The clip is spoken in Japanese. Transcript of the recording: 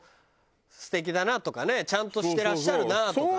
素敵だなとかねちゃんとしてらっしゃるなとかね。